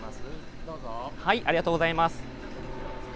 ありがとうございます。